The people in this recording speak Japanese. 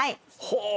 ほう！